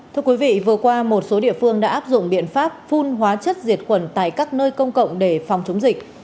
thưa quý vị vừa qua một số địa phương đã áp dụng biện pháp phun hóa chất diệt khuẩn tại các nơi công cộng để phòng chống dịch